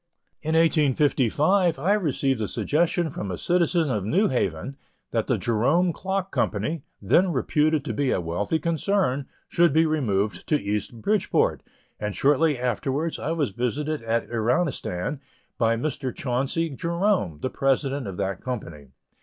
In 1855, I received a suggestion from a citizen of New Haven, that the Jerome Clock Company, then reputed to be a wealthy concern, should be removed to East Bridgeport, and shortly afterwards I was visited at Iranistan by Mr. Chauncey Jerome, the President of that company.